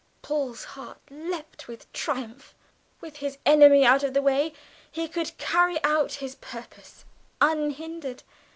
Paul's heart leaped with triumph; with his enemy out of the way, he could carry out his purpose unhindered.